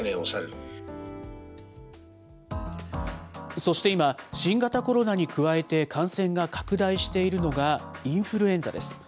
そして今、新型コロナに加えて、感染が拡大しているのがインフルエンザです。